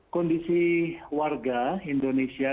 kondisi warga indonesia